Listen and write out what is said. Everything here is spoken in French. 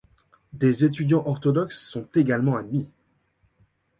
Des étudiants orthodoxes sont également admis.